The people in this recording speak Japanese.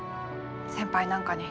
先輩なんかに。